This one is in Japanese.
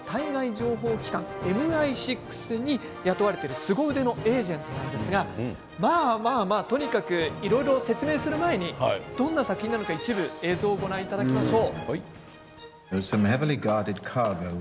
彼が演じるのがイギリスの対外情報機関ＭＩ６に雇われている、すご腕のエージェントなんですがまあまあ、とにかくいろいろ説明する前にどんな作品なのか一部映像をご覧いただきましょう。